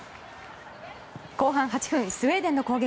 後半８分、スウェーデンの攻撃。